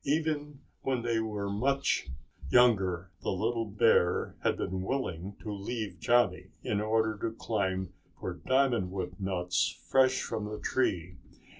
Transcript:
Even when they were much younger the little bear had been willing to leave Johnny in order to climb for diamond wood nuts fresh from the tree.